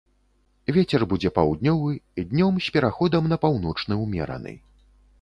Вецер будзе паўднёвы, днём з пераходам на паўночны ўмераны.